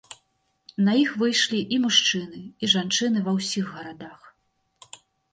На іх выйшлі і мужчыны, і жанчыны ва ўсіх гарадах.